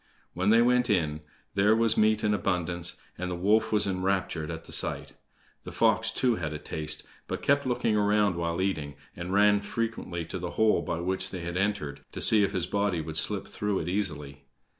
When they went in there was meat in abundance, and the wolf was enraptured at the sight. The fox, too, had a taste, but kept looking round while eating, and ran frequently to the hole by which they had entered, to see if his body would slip through it easily.